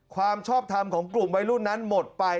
ความชอบทำของกลุ่มวัยรุ่นนั้นหมดไป